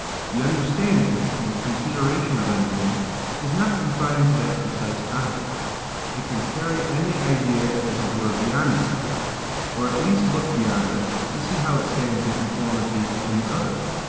The understanding, in the consideration of anything, is not confined to that precise object: it can carry any idea as it were beyond itself, or at least look beyond it, to see how it stands in conformity to any other.